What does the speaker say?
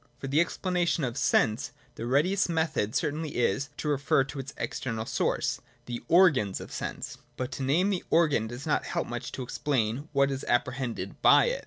For the explanation of Sense, the readiest method cer tainly is, to refer to its external source — the organs of sense. But to name the organ does not help much to explain what is apprehended by it.